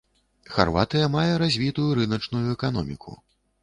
Харватыя мае развітую рыначную эканоміку.